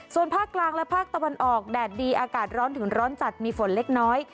ส่วนภาคกลางและภาคตะวันออกแดดดีอากาศร้อนถึงร้อนจัดมีฝนเล็กน้อย